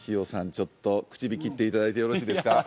ちょっと口火切っていただいてよろしいですか？